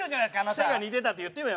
癖が似てたって言ってよ。